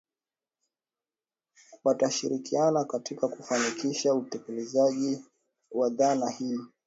Watashirikiana katika kufanikisha utekelezaji wa dhana hii